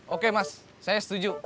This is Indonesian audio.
oke mas saya setuju